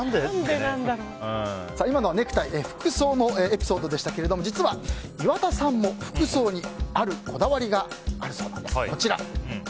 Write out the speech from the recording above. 今のはネクタイと服装のエピソードでしたが実は、岩田さんも服装にあるこだわりがあるそうなんです。